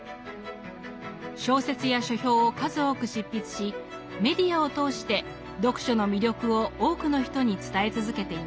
小説や書評を数多く執筆しメディアを通して読書の魅力を多くの人に伝え続けています。